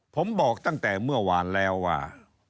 ผมบอกตั้งแต่เมื่อวานแล้วว่า